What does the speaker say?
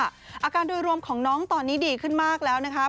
อาการโดยรวมของน้องตอนนี้ดีขึ้นมากแล้วนะครับ